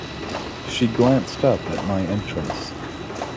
She glanced up at my entrance.